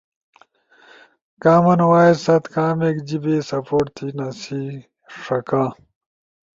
کامن وائس ست کامیک جیِبے سپورٹ تھینا سی ݜکا